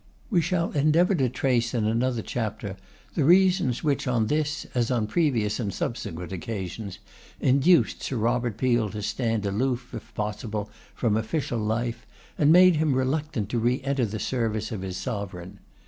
We shall endeavour to trace in another chapter the reasons which on this as on previous and subsequent occasions, induced Sir Robert Peel to stand aloof, if possible, from official life, and made him reluctant to re enter the service of his Sovereign.